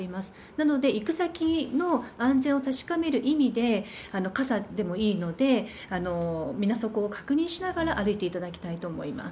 なので、行く先の安全を確かめる意味で、傘でもいいので、水底を確認しながら歩いていただきたいと思います。